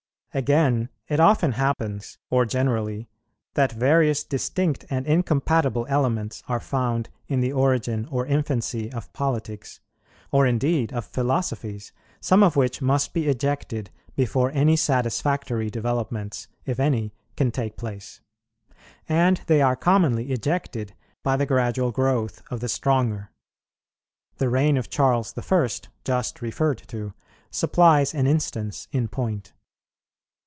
Again, it often happens, or generally, that various distinct and incompatible elements are found in the origin or infancy of politics, or indeed of philosophies, some of which must be ejected before any satisfactory developments, if any, can take place. And they are commonly ejected by the gradual growth of the stronger. The reign of Charles the First, just referred to, supplies an instance in point.